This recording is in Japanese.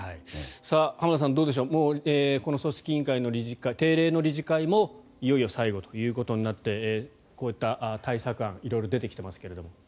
浜田さんこの組織委員会の定例の理事会もいよいよ最後ということになってこういった対策案色々と出てきていますけれど。